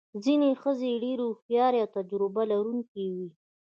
ځینې ښځې ډېرې هوښیارې او تجربه لرونکې وې.